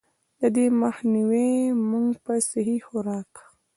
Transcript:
د دې مخ نيوے مونږ پۀ سهي خوراک ،